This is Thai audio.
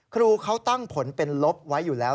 ครูเขาตั้งผลเป็นลบไว้อยู่แล้ว